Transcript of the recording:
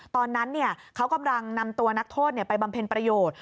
ตอนนั้นเขากำลังนำตัวนักโทษไปบำเพ็ญประโยชน์